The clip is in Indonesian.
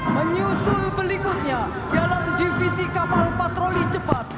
menyusul berikutnya dalam divisi kapal patroli cepat